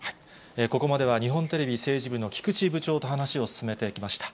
ここまでは日本テレビ政治部の菊池部長と話を進めてきました。